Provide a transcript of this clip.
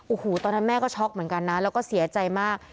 โอ้โหตอนนั้นแม่ก็ช็อกเหมือนกันนะแล้วก็เสียใจมาก